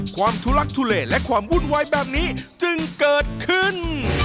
ทุลักทุเลและความวุ่นวายแบบนี้จึงเกิดขึ้น